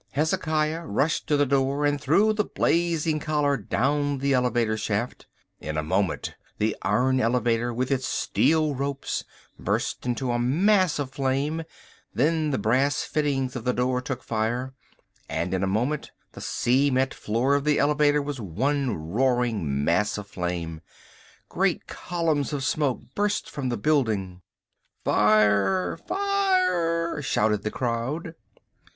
Hezekiah rushed to the door and threw the blazing collar down the elevator shaft. In a moment the iron elevator, with its steel ropes, burst into a mass of flame; then the brass fittings of the door took fire, and in a moment the cement floor of the elevator was one roaring mass of flame. Great columns of smoke burst from the building. "Fire! Fire!" shouted the crowd.